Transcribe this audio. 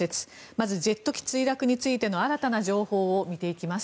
まずジェット機墜落についての新たな情報を見ていきます。